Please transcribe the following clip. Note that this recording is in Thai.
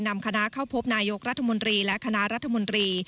นำคณะเข้าพบนายกรัฐมนตรีและคณะรัฐมนตรี